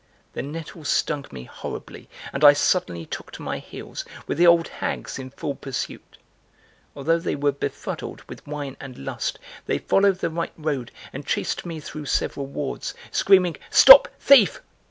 {The nettles stung me horribly and I suddenly took to my heels, with the old hags in full pursuit.} Although they were befuddled with wine and lust they followed the right road and chased me through several wards, screaming "Stop thief."